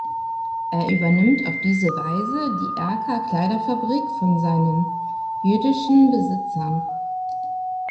Er übernimmt auf diese Weise die Erka-Kleiderfabrik von seinen jüdischen Besitzern.